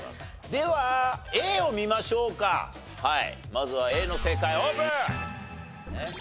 まずはＡの正解オープン！